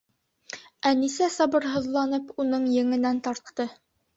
Әнисә, сабырһыҙланып, уның еңенән тартты: